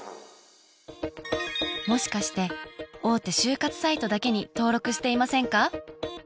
もしかして大手就活サイトだけに登録していませんか？